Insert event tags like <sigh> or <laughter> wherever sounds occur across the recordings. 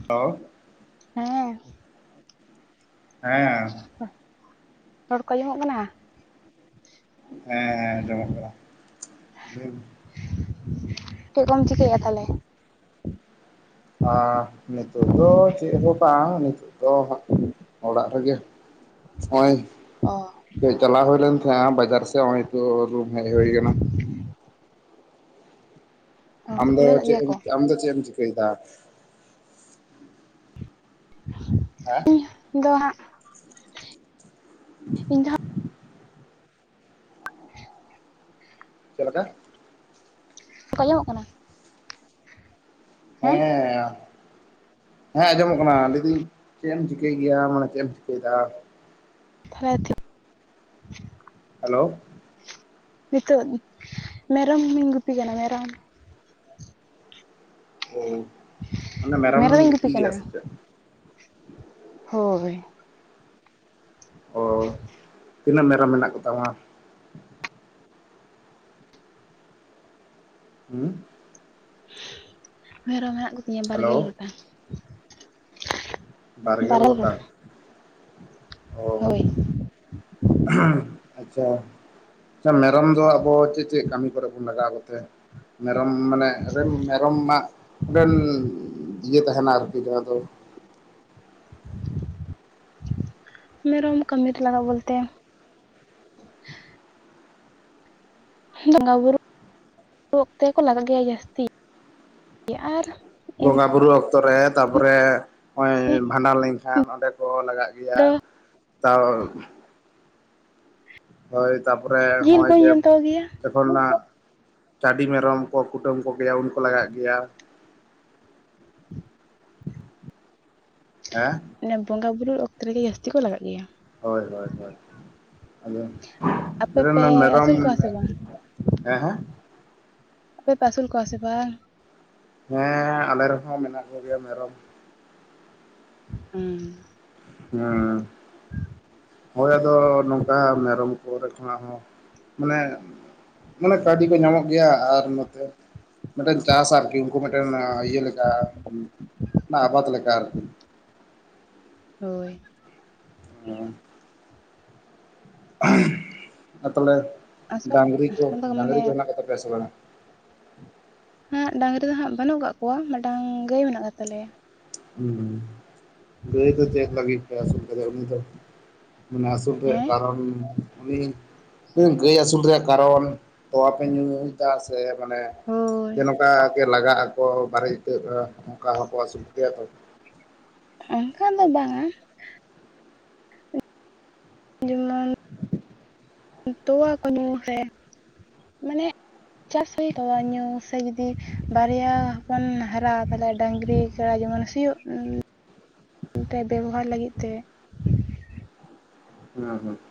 <inaudible> ᱦᱮᱸ᱾ ᱦᱮᱸ᱾ ᱨᱚᱲ ᱠᱚ ᱟᱸᱡᱚᱢᱚᱜ ᱠᱟᱱᱟ? ᱦᱮᱸ ᱦᱮᱸ ᱟᱡᱚᱢᱚᱜ ᱠᱟᱱᱟ᱾ ᱪᱮᱜ ᱠᱚᱢ ᱪᱤᱠᱟᱭᱟᱹ ᱛᱟᱦᱞᱮ? ᱟ ᱱᱤᱛᱚᱜ ᱫᱚ ᱪᱮᱜ ᱦᱚᱸ ᱵᱟᱝ ᱱᱤᱛᱚ ᱫᱚ ᱦᱟᱸᱜ ᱚᱲᱟᱜ ᱨᱮᱜᱮ᱾ ᱚᱸᱭ ᱚ ᱠᱟᱹᱡ ᱪᱟᱞᱟᱣ ᱦᱩᱭ ᱞᱮᱱ ᱛᱟᱦᱮᱸᱜᱼᱟ ᱵᱟᱡᱟᱨ ᱥᱮᱫ ᱚᱸᱭ ᱛᱚ ᱨᱩᱢ ᱦᱮᱡ ᱦᱩᱭ ᱠᱟᱱᱟ᱾ ᱟᱢᱫᱚ ᱠᱷᱩᱞᱟᱹᱣ ᱠᱟᱜ ᱪᱮᱜ ᱜᱮᱭᱟ ᱠᱚ ᱟᱢᱫᱚ ᱪᱮᱜ ᱮᱢ ᱪᱤᱠᱟᱹᱭᱫᱟ? <inaudible> ᱟᱸ ᱫᱚ ᱦᱟᱸᱜ ᱤᱧ ᱫᱚ ᱦᱟᱸᱜ ᱪᱮᱜ ᱞᱮᱠᱟ? ᱟᱡᱚᱢᱚᱜ ᱠᱟᱱᱟ? ᱦᱮᱸ ᱦᱮᱸ ᱟᱸᱡᱚᱢᱚᱜ ᱠᱟᱱᱟ ᱞᱤᱭᱫᱤᱧ ᱪᱮᱜ ᱮᱢ ᱪᱤᱠᱟᱹᱭ ᱜᱮᱭᱟ ᱢᱟᱱᱮ ᱪᱮᱜ ᱮᱢ ᱪᱤᱠᱟᱹᱭᱫᱟ? <inaudible> ᱦᱮᱞᱳ᱾ ᱱᱤᱛᱚᱜ ᱢᱮᱨᱚᱢᱤᱧ ᱜᱩᱯᱤ ᱠᱟᱱᱟ ᱢᱮᱨᱚᱢ᱾ ᱚ ᱢᱟᱱᱮ ᱢᱮᱨᱚᱢᱮᱢ ᱢᱮᱨᱚᱢᱤᱧ ᱜᱩᱯᱤ ᱠᱟᱱᱟ ᱜᱮᱭᱟ ᱥᱮ ᱪᱮᱫ? ᱦᱳᱭ᱾ ᱚ ᱛᱤᱱᱟᱹᱜ ᱢᱮᱨᱚᱢ ᱢᱮᱱᱟᱜ ᱠᱚ ᱛᱟᱢᱟ? ᱩᱸ ᱢᱮᱨᱚᱢ ᱢᱮᱱᱟᱜ ᱠᱚ ᱛᱤᱧᱟ ᱦᱮᱞᱳ ᱵᱟᱨᱜᱮᱞ ᱜᱚᱴᱟᱝ᱾ ᱵᱟᱨᱜᱮᱞ ᱜᱚᱴᱟᱝ? ᱚ ᱦᱳᱭ᱾ ᱟᱪᱪᱷᱟ ᱟᱪᱪᱷᱟ ᱢᱮᱨᱚᱢ ᱫᱚ ᱟᱵᱚ ᱪᱮᱜ ᱪᱮᱜ ᱠᱟᱹᱢᱤ ᱠᱚᱨᱮ ᱵᱚᱱ ᱞᱟᱜᱟᱣ ᱠᱚᱛᱮ? ᱢᱮᱨᱚᱢ ᱢᱟᱱᱮ ᱨᱮᱱ ᱢᱮᱨᱚᱢ ᱢᱟᱜ ᱵᱮᱱ ᱤᱭᱟᱹ ᱛᱟᱦᱮᱱᱟ ᱟᱨᱠᱤ ᱡᱟᱦᱟᱸ ᱫᱚ ᱢᱮᱨᱚᱢ ᱠᱟᱹᱢᱤ ᱨᱮ ᱞᱟᱜᱟᱜ ᱵᱚᱞᱛᱮ ᱵᱚᱸᱜᱟ ᱵᱩᱨᱩ ᱚᱠᱛᱮ ᱠᱚ ᱞᱟᱜᱟᱜ ᱜᱮᱭᱟ ᱡᱟᱹᱥᱛᱤ ᱟᱨ ᱵᱚᱸᱜᱟ ᱮᱢᱱᱤ ᱵᱩᱨᱩ ᱚᱠᱛᱚ ᱨᱮ ᱛᱟᱯᱚᱨᱮ ᱚᱸᱭ ᱵᱷᱟᱸᱰᱟᱱ ᱞᱮ ᱠᱷᱟᱱ ᱚᱸᱰᱮ ᱠᱚ ᱞᱟᱜᱟᱜ ᱜᱮᱭᱟ, ᱫᱚ ᱛᱟᱣ ᱦᱳᱭ ᱛᱟᱯᱚᱨᱮ ᱡᱤᱞ ᱦᱚᱜᱼᱚᱭ ᱵᱟᱹᱧ ᱡᱮ ᱡᱚᱢ ᱛᱟᱠᱚ ᱜᱮᱭᱟ ᱛᱮᱠᱷᱚᱱ ᱚᱱᱟ ᱪᱟᱹᱰᱤ ᱢᱮᱨᱚᱢ ᱠᱚ ᱠᱩᱴᱟᱹᱢ ᱠᱚ ᱜᱮᱭᱟ ᱩᱱᱠᱩ ᱞᱟᱜᱟᱜ ᱜᱮᱭᱟ᱾ <inaudible> ᱦᱮ ᱚᱱᱮ ᱵᱚᱸᱜᱟ ᱵᱩᱨᱩ ᱚᱠᱛᱚ ᱨᱮᱜᱮ ᱡᱟᱹᱥᱛᱤ ᱠᱚ ᱞᱟᱜᱟᱜ ᱜᱮᱭᱟ᱾ ᱦᱳᱭ ᱦᱳᱭ ᱦᱳᱭ, ᱟᱫᱚ ᱟᱯᱮ ᱯᱮ <unintelligible> ᱟᱹᱥᱩᱞ ᱠᱚᱣᱟ ᱢᱮᱨᱚᱢ ᱥᱮ ᱵᱟᱝ ᱦᱮᱸ ᱦᱮᱸ? ᱟᱯᱮ ᱯᱮ ᱟᱹᱥᱩᱞ ᱠᱚᱣᱟ ᱥᱮ ᱵᱟᱝ? ᱦᱮᱸ ᱟᱞᱮ ᱨᱮᱦᱚᱸ ᱢᱮᱱᱟᱜ ᱠᱚ ᱜᱮᱭᱟ ᱢᱮᱨᱚᱢ ᱾ ᱦᱩᱸᱜ ᱩᱸ ᱾ ᱦᱩᱸ ᱾ ᱦᱚᱭ ᱟᱫᱚ ᱱᱚᱝᱠᱟ ᱢᱮᱨᱚᱢ ᱠᱚᱨᱮ ᱠᱷᱚᱱᱟᱜ ᱦᱚᱸ ᱢᱟᱱᱮ ᱢᱟᱱᱮ ᱠᱟᱹᱣᱰᱤ ᱠᱚ ᱧᱟᱢᱚᱜ ᱜᱮᱭᱟ ᱟᱨ ᱱᱚᱛᱮ ᱢᱤᱫᱴᱮᱱ ᱪᱟᱥ ᱟᱨᱠᱤ ᱾ ᱩᱱᱠᱩ ᱢᱮᱫ ᱴᱮᱱ ᱤᱭᱟᱹ ᱞᱮᱠᱟ ᱟᱵᱟᱫ ᱞᱮᱠᱟ ᱟᱨᱠᱤ ᱾ ᱦᱳᱭ ᱾ ᱚᱻ ᱾ ᱟᱨ ᱛᱟᱦᱞᱮ ᱟᱥᱚᱞ ᱰᱟᱝᱨᱤ ᱠᱚ ᱟᱫᱚ ᱰᱟᱹᱝᱨᱤ ᱢᱟᱱᱮ ᱠᱚ ᱦᱮᱱᱟᱜ ᱠᱚᱛᱟ ᱯᱮᱭᱟ ᱥᱮ ᱵᱟᱝᱟ? ᱦᱚᱸ ᱰᱟᱝᱨᱤ ᱫᱚ ᱦᱟᱸᱜ ᱵᱟᱹᱱᱩᱜ ᱠᱟᱜ ᱠᱚᱣᱟ ᱢᱤᱫᱴᱟᱝ ᱜᱟᱹᱭ ᱢᱮᱱᱟᱜ ᱟᱠᱟ ᱫᱮ ᱛᱟᱞᱮᱭᱟ ᱾ ᱩᱸ, ᱜᱟᱹᱭ ᱫᱚ ᱪᱮᱫ ᱞᱟᱹᱜᱤᱫ ᱯᱮ ᱟᱹᱥᱩᱞ ᱟᱠᱟᱫᱮᱭᱟ ᱩᱱᱤ ᱫᱚ? ᱢᱟᱱᱮ ᱟᱹᱥᱩᱞ ᱨᱮᱭᱟᱜ ᱦᱮᱸ ᱠᱟᱨᱚᱱ ᱩᱱᱤ ᱜᱟᱹᱭ ᱟᱹᱥᱩᱞ ᱨᱮᱭᱟᱜ ᱠᱟᱨᱚᱱ ᱛᱚᱣᱟ ᱯᱮ ᱧᱩᱭᱮᱫᱟ ᱥᱮ ᱢᱟᱱᱮ ᱦᱳᱭ ᱡᱮ ᱱᱚᱝᱠᱟ ᱜᱮ ᱞᱟᱜᱟᱜ ᱟᱠᱚ ᱵᱟᱨᱮ ᱤᱛᱟᱹᱜ ᱚᱱᱠᱟ ᱦᱚᱸᱠᱚ ᱟᱹᱥᱩᱞ ᱠᱚᱜᱮᱭᱟ ᱛᱚ ᱾ ᱚᱱᱠᱟ ᱫᱚ ᱵᱟᱝᱼᱟ ᱾ ᱡᱮᱢᱚᱱ ᱛᱚᱣᱟ ᱠᱚ ᱧᱩ ᱦᱮᱸ, ᱢᱟᱱᱮ ᱪᱟᱥ ᱦᱩᱭ ᱛᱚᱣᱟ ᱧᱩ ᱥᱮ ᱡᱩᱫᱤ ᱵᱟᱨᱭᱟ ᱦᱚᱯᱚᱱ ᱦᱟᱨᱟ ᱛᱟᱦᱞᱮ ᱰᱟᱸᱝᱨᱤ ᱥᱮᱲᱟ ᱡᱮᱢᱚᱱ ᱥᱤᱭᱳᱜ ᱛᱮ ᱵᱮᱵᱚᱦᱟᱨ ᱞᱟᱹᱜᱤᱫ ᱛᱮ ᱾ ᱦᱩᱸ ᱦᱩᱸ ᱾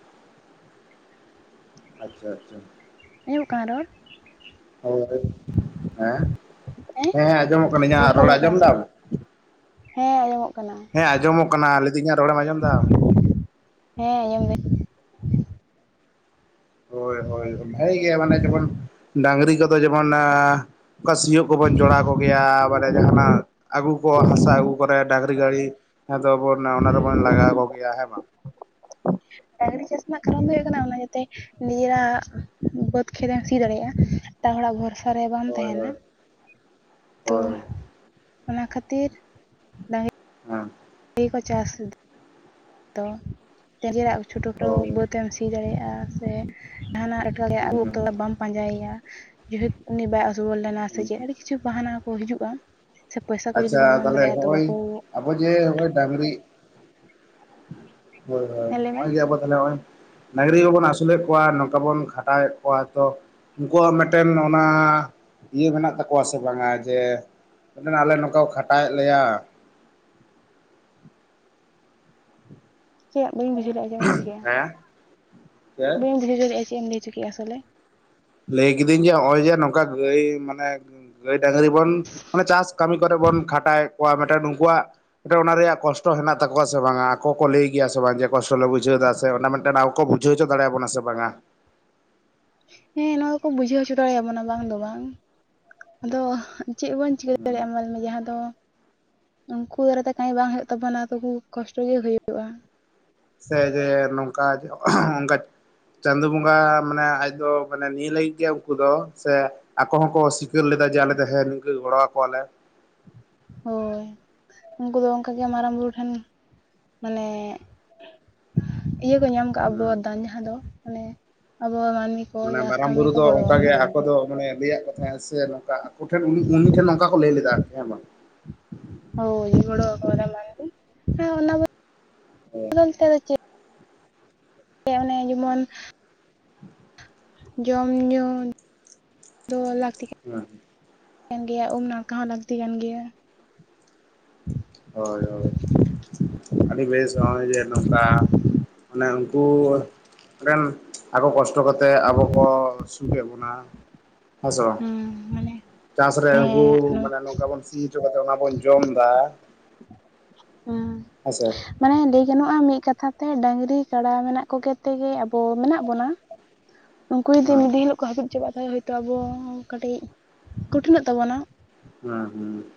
ᱟᱪᱪᱷᱟ ᱟᱪᱪᱷᱟ ᱾ ᱟᱸᱡᱚᱢᱚᱜ ᱠᱟᱱᱟ ᱨᱚᱲ? ᱦᱳᱭ, ᱦᱮᱸ? ᱦᱮᱸ ᱦᱮᱸ ᱟᱸᱡᱚᱢᱚᱜ ᱠᱟᱱᱟ ᱤᱧᱟᱜ ᱠᱚ ᱨᱚᱲ ᱟᱸᱡᱚᱢᱚᱜ ᱟᱸᱡᱚᱢ ᱠᱟᱱᱟ ᱥᱮ ᱫᱟᱢ? ᱵᱟᱝ ᱦᱮᱸ ᱟᱸᱡᱚᱢᱚᱜ ᱠᱟᱱᱟ ᱾ ᱦᱮᱸ ᱟᱸᱡᱚᱢᱚᱜ ᱠᱟᱱᱟ ᱞᱟᱹᱭᱫᱤᱧ ᱤᱧᱟᱜ ᱨᱚᱲᱮᱢ ᱟᱸᱡᱚᱢ ᱫᱟ? ᱦᱮᱸ ᱟᱸᱡᱚᱢ ᱫᱟᱹᱧ ᱾ ᱦᱳᱭ ᱦᱳᱭ ᱵᱷᱟᱹᱜᱤ ᱜᱮ ᱢᱟᱱᱮ ᱡᱮᱢᱚᱱ ᱰᱟᱸᱝᱨᱤ ᱠᱚᱫᱚ ᱡᱮᱢᱚᱱ ᱮᱸᱻ ᱚᱠᱟ ᱥᱤᱭᱳᱚᱜ ᱠᱚᱵᱚᱱ ᱡᱚᱲᱟᱣ ᱠᱚᱜᱮᱭᱟ ᱢᱟᱱᱮ ᱡᱟᱦᱟᱱᱟᱜ ᱟᱹᱜᱩ ᱠᱚ ᱦᱟᱥᱟ ᱟᱹᱜᱩ ᱠᱚᱨᱮ ᱰᱟᱝᱨᱤ ᱜᱟᱹᱲᱤ ᱟᱫᱚ ᱵᱚᱱ ᱚᱱᱟ ᱨᱮᱵᱚᱱ ᱞᱟᱜᱟᱣ ᱠᱚᱜᱮᱭᱟ ᱦᱮᱸ ᱵᱟᱝ ᱾ ᱰᱟᱸᱝᱨᱤ ᱪᱟᱥ ᱨᱮᱱᱟᱜ ᱠᱟᱨᱚᱱ ᱫᱚ ᱦᱩᱭᱩᱜ ᱠᱟᱱᱟ ᱚᱱᱟ ᱡᱟᱛᱮ ᱱᱤᱡᱮᱨᱟᱜ ᱵᱟᱹᱫᱽ ᱠᱷᱮᱛ ᱮᱢ ᱥᱤ ᱫᱟᱲᱮᱭᱟᱜᱼᱟ ᱮᱴᱟᱜ ᱦᱚᱲᱟᱜ ᱵᱷᱚᱨ ᱥᱟ ᱨᱮ ᱵᱟᱢ ᱦᱳᱭ ᱛᱟᱦᱮᱱᱟ ᱦᱳᱭ ᱛᱚ ᱦᱳᱭ ᱚᱱᱟ ᱠᱷᱟᱹᱛᱤᱨ ᱰᱟᱝ ᱦᱩᱸ ᱾ ᱜᱮ ᱠᱚ ᱪᱟᱥ ᱛᱚ ᱱᱤᱡᱮᱨᱟᱜ ᱪᱷᱳᱴᱳ ᱚ ᱠᱷᱟᱴᱳ ᱵᱟᱹᱫ ᱮᱢ ᱥᱤ ᱫᱟᱲᱮᱭᱟᱜᱼᱟ, ᱥᱮ ᱡᱟᱦᱟᱱᱟᱜ ᱮᱴᱠᱮ ᱦᱩᱸ ᱟᱹᱜᱩ ᱦᱩᱸ ᱚᱠᱛᱚ ᱫᱚ ᱵᱟᱢ ᱯᱟᱸᱡᱟᱭᱮᱭᱟ ᱡᱮᱦᱮ ᱩᱱᱤ ᱵᱟᱭ ᱟᱹᱥᱩᱵᱚᱞ ᱞᱮᱱᱟ ᱥᱮ ᱦᱩᱸ ᱪᱮᱫ ᱟᱹᱰᱤ ᱠᱤᱪᱷᱩ ᱵᱟᱦᱟᱱᱟ ᱠᱚ ᱦᱤᱡᱩᱜᱼᱟ, ᱥᱮ ᱯᱚᱭᱥᱟ ᱠᱚ ᱡᱩᱫᱤ ᱵᱟᱢ ᱮᱢ ᱫᱟᱲᱮᱜᱼᱟ ᱛᱚ ᱵᱟᱠᱚ ᱟᱵ ᱡᱮ ᱦᱚᱜ-ᱚᱭ ᱰᱟᱸᱝᱨᱤ ᱦᱳᱭ ᱦᱳᱭ ᱦᱮᱸ ᱞᱟᱹᱭ ᱢᱮ ᱱᱚᱜ-ᱚᱭ ᱟᱵᱚ ᱛᱟᱦᱚᱞᱮ ᱱᱚᱜᱼᱚᱭ ᱰᱹᱨᱤ ᱠᱚᱵᱚᱱ ᱟᱹᱥᱩᱞᱮᱫ ᱠᱚᱣᱟ ᱱᱚᱝᱠᱟ ᱵᱚᱱ ᱠᱷᱟᱴᱟᱣᱮᱫ ᱠᱚᱣᱟ ᱛᱚ ᱩᱱᱠᱩᱣᱟᱜ ᱢᱮᱫᱴᱮᱱ ᱚᱱᱟ ᱤᱭᱟᱹ ᱢᱮᱱᱟᱜ ᱛᱟᱠᱚᱣᱟ ᱥᱮ ᱵᱟᱝᱟ ᱡᱮ ᱢᱟᱱᱮ ᱟᱞᱮ ᱱᱚᱠᱟ ᱠᱚ ᱠᱷᱟᱴᱟᱣᱮᱜ ᱞᱮᱭᱟ ᱪᱮᱜ ᱵᱟᱹᱧ ᱵᱩᱡᱷᱟᱹᱣ ᱞᱮᱜᱼᱟ ᱪᱮᱜ ᱮᱢ <inaudible> ᱦᱮᱸ ᱪᱮᱫ ᱵᱟᱹᱧ ᱵᱩᱡᱟᱹᱣ <inaudible> ᱪᱮᱜ ᱮᱢ ᱞᱟᱹᱭ ᱚᱪᱚ ᱠᱮᱜᱼᱟ ᱟᱥᱚᱞᱮ? ᱞᱟᱹᱭ ᱠᱤᱫᱟᱹᱧ ᱡᱮ ᱦᱚᱜᱼᱚᱭ ᱡᱮ ᱱᱚᱝᱠᱟ ᱜᱟᱹᱭ ᱢᱟᱱᱮ ᱜᱟᱹᱭ ᱰᱟᱝᱨᱤ ᱵᱚᱱ ᱢᱟᱱᱮ ᱪᱟᱥ ᱠᱟᱹᱢᱤ ᱠᱚᱨᱮ ᱵᱚᱱ ᱠᱷᱟᱴᱟᱣᱮᱜ ᱠᱚᱣᱟ ᱢᱤᱫᱴᱟᱝ ᱱᱩᱠᱩᱣᱟᱜ ᱢᱤᱴᱮ ᱚᱱᱟ ᱨᱮᱭᱟᱜ ᱠᱚᱥᱴᱚ ᱦᱮᱱᱟᱜ ᱛᱟᱠᱚᱣᱟ ᱥᱮ ᱵᱟᱝᱟ ᱟᱠᱚ ᱠᱚ ᱞᱟᱹᱭ ᱜᱮᱭᱟ ᱥᱮ ᱵᱟᱝ ᱡᱮ ᱠᱚᱥᱴᱚ ᱞᱮ ᱵᱩᱡᱷᱟᱹᱣᱫᱟ ᱥᱮ ᱚᱱᱟ ᱢᱤᱫᱴᱟᱱ ᱟᱠᱚ ᱵᱷᱩ ᱡᱷᱟᱹᱣ ᱚᱪᱚ ᱫᱟᱲᱮᱭᱟᱵᱚᱱᱟ ᱥᱮ ᱵᱟᱝᱟ? ᱦᱮᱸ ᱱᱚᱣᱟ ᱫᱚᱠᱚ ᱵᱩᱡᱷᱟᱹᱣ ᱦᱚᱪᱚ ᱫᱟᱲᱮᱭᱟ ᱵᱚᱱᱟ ᱵᱟᱝ ᱫᱚ ᱵᱟᱝ ᱟᱫᱚ ᱪᱮᱜ ᱵᱚᱱ ᱪᱤᱠᱟᱹ <inaudible> ᱢᱟᱞᱮᱭᱢᱮ ᱡᱟᱦᱟᱸ ᱫᱚ ᱩᱝᱠᱩ ᱫᱟᱨᱟᱭ ᱛᱮ ᱠᱟᱢᱤ ᱵᱟᱝ ᱦᱩᱭᱩᱜ ᱛᱟᱵᱚᱱᱟ ᱛᱚᱵᱩ ᱠᱚᱥᱴᱚ ᱜᱮ ᱦᱩᱭᱩᱜ ᱥᱮ ᱡᱮ ᱱᱚᱝᱠᱟ ᱚᱝᱠᱟ ᱪᱟᱸᱫᱚ ᱵᱚᱸᱜᱟ ᱢᱟᱱᱮ ᱟᱡ ᱫᱚ ᱢᱟᱱᱮ ᱱᱤᱭᱟᱹ ᱞᱟᱹᱜᱤᱫ ᱜᱮ ᱩᱝᱠᱩ ᱫᱚ ᱥᱮ ᱟᱠᱚ ᱦᱚᱸᱠᱚ ᱥᱤᱠᱟᱹᱨ ᱞᱮᱫᱟ ᱡᱮ ᱟᱞᱮ ᱫᱚ ᱦᱮᱸ ᱱᱤᱝᱠᱟᱹ ᱜᱚᱲᱚᱣ ᱠᱚᱣᱟᱞᱮ᱾ ᱦᱳᱭ ᱩᱝᱠᱩ ᱫᱚ ᱚᱝᱠᱟᱜᱮ ᱢᱟᱨᱟᱝ ᱵᱩᱨᱩ ᱴᱷᱮᱱ ᱢᱟᱱᱮ ᱤᱭᱟᱹ ᱠᱚ ᱧᱟᱢ ᱠᱟᱜᱼᱟ ᱵᱚᱨᱫᱟᱱ ᱡᱟᱦᱟᱸ ᱫᱚ ᱢᱟᱱᱮ ᱟᱵᱚᱣᱟᱜ ᱢᱟᱱᱢᱤ ᱢᱟᱱᱮ ᱢᱟᱨᱟᱝ ᱵᱩᱨᱩ ᱫᱚ ᱚᱝᱠᱟ ᱜᱮ ᱟᱠᱚ ᱫᱚ ᱢᱟᱱᱮ ᱞᱟᱹᱭᱟᱜ ᱠᱚ ᱦᱮᱸ ᱥᱮ ᱱᱚᱝᱠᱟ ᱟᱠᱚ ᱴᱷᱮᱱ ᱩᱱᱤ ᱩᱱᱤ ᱴᱷᱮᱱ ᱱᱚᱝᱠᱟ ᱠᱚ ᱞᱟᱹᱭ ᱞᱮᱫᱟ ᱟᱨᱠᱤ ᱦᱮᱸ ᱵᱟᱝ? ᱦᱳᱭ ᱜᱚᱲᱚᱣ ᱠᱚᱣᱟᱞᱮ ᱢᱟᱱᱢᱤ ᱦᱮᱸ ᱚᱱᱟ ᱵᱚ ᱦᱮᱸ ᱫᱚᱞ ᱛᱮ ᱟᱫᱚ ᱪᱮ ᱚᱱᱮ ᱡᱮᱢᱚᱱ <inaudible> ᱡᱚᱢ ᱧᱩ ᱫᱚ ᱞᱟᱠ <inaudible> ᱠᱟᱱ ᱜᱮᱭᱟ ᱩᱢ ᱱᱟᱲᱠᱟ ᱦᱚᱸ ᱞᱟᱹᱠᱛᱤ ᱠᱟᱱ ᱜᱮᱭᱟ᱾ ᱦᱳᱭ ᱦᱳᱭ᱾ ᱟᱹᱰᱤ ᱵᱮᱥ ᱦᱚᱸᱜᱼᱚᱭ ᱡᱮ ᱱᱚᱝᱠᱟ ᱢᱟᱱᱮ ᱩᱝᱠᱩ ᱨᱮᱱ ᱟᱠᱚ ᱠᱚᱥᱴᱚ ᱠᱟᱛᱮᱜ ᱟᱵᱚ ᱠᱚ ᱥᱩᱠᱮᱜ ᱵᱚᱱᱟ᱾ ᱦᱮᱸᱥᱮ ᱵᱟᱝ ᱦᱩᱸ ᱢᱟᱱᱮ ᱪᱟᱥᱨᱮ ᱩᱱᱠᱩ ᱦᱮᱸ ᱢᱟᱱ ᱱᱚᱝᱠᱟ ᱵᱩᱱ ᱥᱤ ᱪᱚ ᱠᱟᱛᱮᱜ ᱚᱱᱟ ᱵᱚᱱ ᱡᱚᱢᱫᱟ᱾ ᱦᱩᱸ ᱦᱮᱸᱥᱮ? ᱢᱟᱱᱮ ᱞᱟᱹᱭ ᱜᱟᱱᱚᱜᱼᱟ ᱢᱤᱜ ᱠᱟᱛᱷᱟ ᱛᱮ ᱰᱟᱹᱟᱝᱨᱤ ᱠᱟᱰᱟ ᱢᱮᱱᱟᱜ ᱠᱚᱜᱮ ᱛᱮᱜᱮ ᱟᱵᱚ ᱢᱮᱱᱟᱜ ᱵᱚᱱᱟ᱾ <inaudible> ᱩᱝᱠᱩ ᱡᱩᱫᱤ ᱢᱤᱜ ᱦᱳᱭ ᱫᱤᱱ ᱦᱤᱞᱳᱜ ᱠᱚ ᱦᱟᱹᱯᱤᱜ ᱪᱟᱵᱟᱜᱼᱟ ᱛᱟᱦᱞᱮ ᱦᱚᱭᱛᱳ ᱟᱵᱚ ᱠᱟᱹᱴᱤᱡ ᱠᱩᱴᱷᱤᱱᱚᱜ ᱛᱟᱵᱚᱱᱟ᱾ ᱦᱩᱸ ᱦᱩᱸ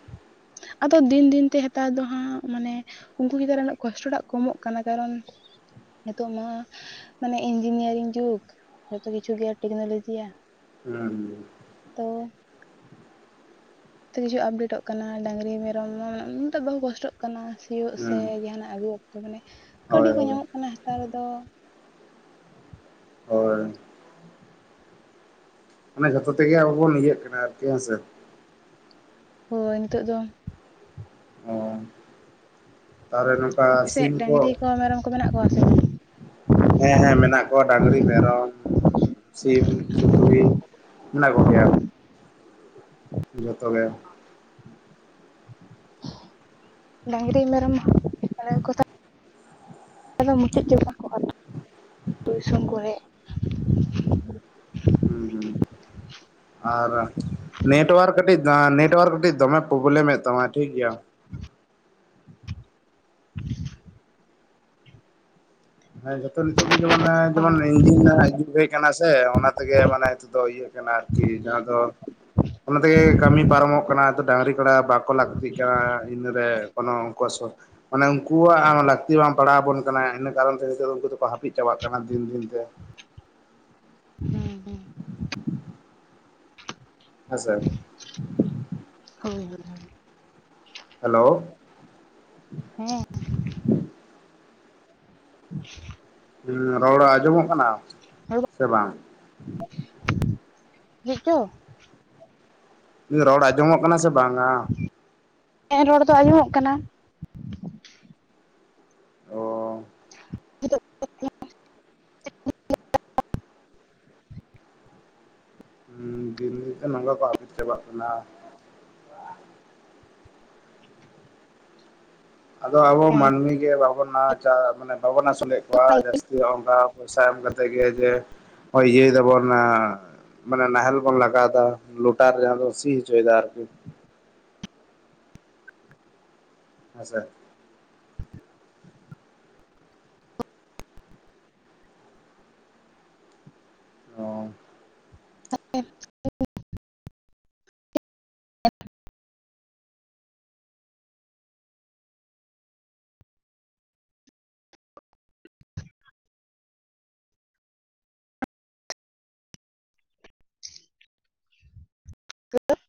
ᱟᱫᱚ ᱫᱤᱱ ᱫᱤᱱ ᱛᱮ ᱦᱮᱛᱟᱣ ᱫᱚ ᱦᱟᱸᱜ ᱢᱟᱱᱮ ᱩᱝᱠᱩ ᱪᱮᱛᱟᱱᱨᱮ ᱱᱩᱱᱟᱹ ᱠᱚᱥᱴᱚᱴᱟᱜ ᱠᱚᱢᱚᱜ ᱠᱟᱱᱟ, ᱠᱟᱨᱚᱱ ᱱᱤᱛᱚᱜ ᱢᱟ ᱢᱟᱱᱮ ᱤᱧᱡᱤᱱᱤᱭᱟᱨᱤᱝ ᱡᱩᱜᱽ ᱡᱚᱛᱚ ᱠᱤᱪᱷᱩ ᱜᱮ ᱴᱮᱠᱱᱳᱞᱚᱡᱤᱭᱟ᱾ ᱦᱩᱸ ᱦᱩ ᱛᱚ ᱛᱚ ᱠᱤᱪᱷᱩ ᱟᱯᱰᱮᱴᱚᱜ ᱠᱟᱱᱟ ᱰᱟᱹᱝᱨᱤ, ᱢᱮᱨᱚᱢ, <inaudible> ᱵᱟᱦᱩ ᱠᱚᱥᱴᱚᱜ ᱠᱟᱱᱟ᱾ ᱥᱤᱭᱩᱜ ᱥᱮ ᱦᱮᱸ ᱡᱟᱦᱟᱱᱟᱜ ᱟᱹᱜᱩ ᱚᱠᱛᱚ ᱢᱟᱱᱮ ᱠᱟᱹᱣᱰᱤ ᱦᱳᱭ ᱠᱚ ᱦᱳᱭ ᱧᱟᱢᱚᱜ ᱠᱟᱱᱟ ᱦᱮᱛᱟᱨ ᱫᱚ᱾ ᱦᱳᱭ᱾ ᱢᱟᱱᱮ ᱡᱚᱛᱚ ᱛᱮᱜᱮ ᱟᱵᱚ ᱵᱚᱱ ᱤᱭᱟᱹᱜ ᱠᱟᱱᱟ ᱟᱨᱠᱤ ᱦᱮᱸᱥᱮ᱾ ᱦᱳᱭ ᱱᱤᱛᱚᱜ ᱫᱚ ᱚᱻ, ᱛᱟᱦᱚᱞᱮ ᱱᱚᱝᱠᱟ ᱟᱯᱮᱥᱮᱫ ᱥᱤᱢ ᱠᱚ, ᱰᱟᱹᱝᱨᱤ ᱢᱮᱨᱚᱢ ᱠᱚ ᱢᱮᱱᱟᱜ ᱠᱚᱣᱟ ᱥᱮ ᱦᱮᱸ ᱦᱮᱸ ᱢᱮᱱᱟᱜ ᱠᱚᱣᱟ ᱰᱟᱝᱨᱤ, ᱢᱮᱨᱚᱢ, ᱥᱤᱢ, ᱥᱩᱠᱨᱤ, ᱢᱮᱱᱟᱜ ᱠᱚ ᱜᱮᱭᱟ᱾ ᱡᱷᱚᱛᱚ ᱜᱮ᱾ <inaudible> ᱰᱟᱝᱨᱤ, ᱢᱮᱨᱚᱢ, <inaudible> ᱢᱮᱱᱟᱜ ᱠᱚ ᱛᱟ <inaudible> ᱫᱚ ᱢᱩᱪᱟᱹᱫ ᱪᱟᱵᱟ ᱠᱚᱜ ᱟᱞᱮ, ᱟᱹᱛᱩ ᱫᱤᱥᱚᱢ ᱠᱚᱨᱮ᱾ ᱦᱩᱸ ᱦᱩᱸ, ᱟᱨ ᱱᱮᱴᱣᱟᱨᱠ ᱠᱟᱹᱴᱤᱡ ᱱᱮᱴᱣᱟᱨᱠ ᱠᱟᱹᱴᱤᱡ ᱫᱚᱢᱮ ᱯᱳᱵᱞᱮᱢᱮᱜ ᱛᱟᱢᱟᱭ ᱴᱷᱤᱠ ᱜᱮᱭᱟ᱾ <inaudible> ᱦᱮᱸ ᱡᱷᱚᱛᱚ ᱱᱤᱛᱚᱜ ᱫᱚ ᱡᱮᱢᱚᱱᱮ ᱡᱮᱢᱚᱱ <inaudible> ᱠᱟᱱᱟ ᱥᱮ ᱚᱱᱟ ᱛᱮᱜᱮ ᱢᱟᱱᱮ ᱦᱤᱛᱚᱜ ᱫᱚ ᱤᱭᱟᱹᱜ ᱠᱟᱱᱟ ᱟᱨᱠᱤ ᱡᱟᱦᱟᱸ ᱫᱚ ᱚᱱᱟ ᱛᱮ ᱜᱮ ᱠᱟᱹᱢᱤ ᱯᱟᱨᱚᱢᱚᱜ ᱠᱟᱱᱟ ᱱᱤᱛᱚᱜ ᱰᱟᱝᱨᱤ, ᱠᱟᱰᱟ ᱵᱟᱠᱚ ᱞᱟᱠᱛᱤᱜ ᱠᱟᱱᱟ ᱤᱱᱟᱹ ᱨᱮ ᱠᱳᱱᱳ ᱩᱝᱠᱩᱣᱟᱜ ᱥᱚᱯ ᱢᱟᱱᱮ ᱩᱱᱠᱩᱣᱟᱜ ᱦᱚᱸ ᱞᱟᱹᱠᱛᱤ ᱵᱟᱝ ᱯᱟᱲᱟᱣ ᱟᱵᱚᱱ ᱠᱟᱱᱟ ᱤᱱᱟᱹ ᱠᱟᱨᱚᱱ ᱛᱮ ᱱᱤᱛᱚᱜ ᱫᱚ ᱩᱱᱠᱩ ᱫᱚᱠᱚ ᱦᱟᱹᱯᱤᱫ ᱪᱟᱵᱟᱜ ᱠᱟᱱᱟ ᱫᱤᱱ ᱫᱤᱱ ᱛᱮ᱾ ᱦᱩᱸ ᱦᱩᱸ᱾ ᱦᱮᱸ ᱥᱮ᱾ <unintelligible> ᱦᱳᱭ ᱦᱳᱭ ᱦᱳᱭ ᱾ ᱦᱮᱞᱳᱣ ᱾ ᱦᱮᱸ᱾ <unintelligible> ᱦᱩᱸ ᱨᱚᱲ ᱟᱸᱡᱚᱢᱚᱜ ᱠᱟᱱᱟ, ᱥᱮ ᱵᱟᱝ? ᱦᱮᱸ ᱪᱚ! ᱤᱧᱟᱹᱜ ᱨᱚᱲ ᱟᱸᱡᱚᱢᱚᱜ ᱠᱟᱱᱟ ᱥᱮ ᱵᱟᱝᱟ? ᱦᱮᱸ ᱨᱚᱲ ᱫᱚ ᱟᱸᱡᱚᱢᱚᱜ ᱠᱟᱱᱟ᱾ ᱚᱻ᱾ <inaudible> ᱩᱸ ᱫᱤᱱ ᱜᱮᱛᱚ ᱱᱚᱝᱠᱟ ᱠᱚ ᱦᱟᱹᱯᱤᱫ ᱪᱟᱵᱟᱜ ᱠᱟᱱᱟ᱾ ᱟᱫᱚ ᱟᱵᱚ ᱦᱮᱸ ᱢᱟᱱᱢᱤ ᱜᱮ ᱵᱟᱵᱚᱱ <unintelligible> ᱢᱟᱱᱮ ᱵᱟᱵᱚᱱ ᱟᱥᱩᱞᱮᱫ ᱠᱚᱣᱟ ᱡᱟᱥ ᱡᱮ ᱚᱝᱠᱟ ᱯᱚᱭᱥᱟ ᱮᱢ ᱠᱟᱛᱮᱫ ᱜᱮ ᱡᱮ, <inaudible> ᱤᱭᱟᱹᱭ ᱫᱟᱵᱚᱱ ᱟᱸᱻ᱾ ᱢᱟᱱᱮ ᱱᱟᱦᱮᱞ ᱵᱚᱱ ᱞᱟᱜᱟᱣᱫᱟ, ᱞᱚᱴᱟᱨ ᱡᱟᱦᱟᱸ ᱫᱚ ᱥᱤ ᱦᱚᱪᱚᱭᱮᱫᱟ ᱟᱨᱠᱤ᱾ ᱦᱮᱸᱥᱮ? ᱚ <inaudible> <inaudible> <inaudible>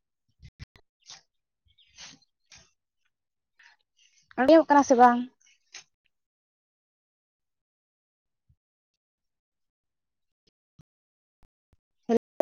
ᱚᱸᱡᱚᱢᱚᱜ ᱠᱟᱱᱟ ᱥᱮ ᱵᱟᱝ?